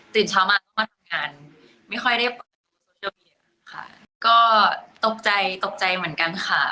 ตื่นเช้ามาไม่ค่อยได้ค่ะก็ตกใจตกใจเหมือนกันค่ะ